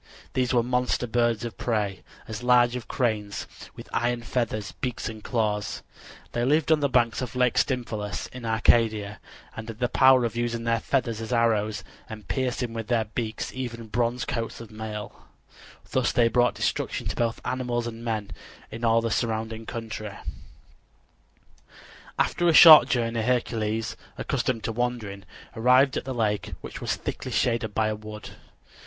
These were monster birds of prey, as large as cranes, with iron feathers, beaks and claws. They lived on the banks of Lake Stymphalus in Arcadia, and had the power of using their feathers as arrows and piercing with their beaks even bronze coats of mail. Thus they brought destruction to both animals and men in all the surrounding country. [Illustration: THE HERO APPROACHED THE DREADFUL MONSTER] After a short journey Hercules, accustomed to wandering, arrived at the lake, which was thickly shaded by a wood.